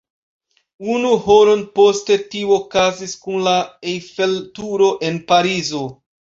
Unu horon poste tio okazis kun la Eiffel-Turo en Parizo.